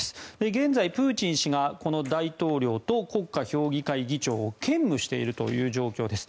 現在、プーチン氏が大統領と国家評議会議長を兼務しているという状況です。